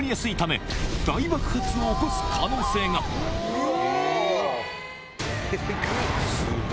うわ！